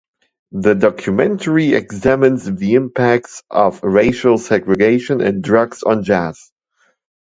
The documentary examines the impacts of racial segregation and drugs on jazz.